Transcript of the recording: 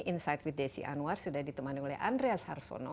insight with desi anwar sudah ditemani oleh andreas harsono